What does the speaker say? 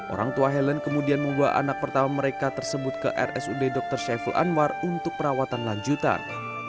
orang tua helen kemudian membawa anak pertama mereka tersebut ke rsud dr saiful anwar untuk perawatan lanjutan